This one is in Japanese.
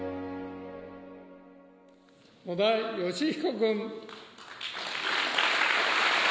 野田佳彦君。